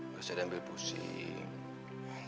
gak usah ambil pusing